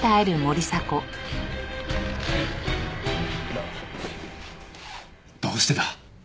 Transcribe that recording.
なあどうしてだ？